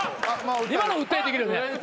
今の訴えできるね？